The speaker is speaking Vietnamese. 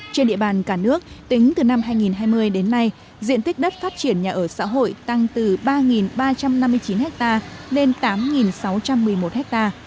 trên địa bàn cả nước tính từ năm hai nghìn hai mươi đến nay diện tích đất phát triển nhà ở xã hội tăng từ ba ba trăm năm mươi chín ha lên tám sáu trăm một mươi một ha